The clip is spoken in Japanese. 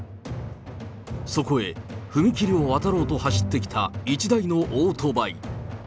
そこへ踏切を渡ろうと走ってきた１台のオートバイ。